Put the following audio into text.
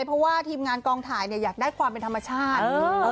เพราะว่าทีมงานกองถ่ายอยากได้ความเป็นธรรมชาติ